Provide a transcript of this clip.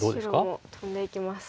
白もトンでいきます。